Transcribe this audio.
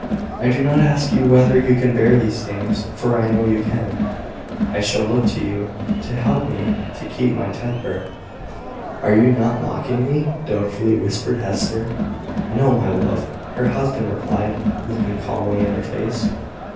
I do not ask you whether you can bear these things, for I know you can. I shall look to you to help me to keep my temper." "Are you not mocking me?" doubtfully whispered Hester. "No, my love," her husband replied, looking calmly in her face.